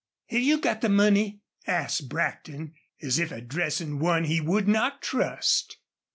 "Have you got the money?" asked Brackton, as if addressing one he would not trust.